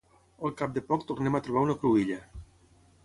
al cap de poc tornem a trobar una cruïlla